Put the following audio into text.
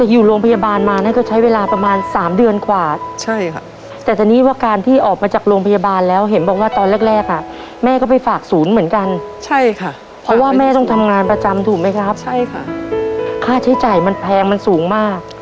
อยู่โรงพยาบาลมานั่นก็ใช้เวลาประมาณสามเดือนกว่าใช่ค่ะแต่ทีนี้ว่าการที่ออกมาจากโรงพยาบาลแล้วเห็นบอกว่าตอนแรกอ่ะแม่ก็ไปฝากศูนย์เหมือนกันใช่ค่ะเพราะว่าแม่ต้องทำงานประจำถูกไหมครับใช่ค่ะค่าใช้จ่ายมันแพงมันสูงมาก